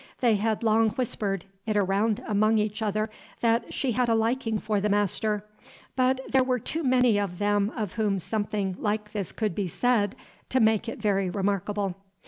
They had long whispered it around among each other that she had a liking for the master; but there were too many of them of whom something like this could be said, to make it very remarkable.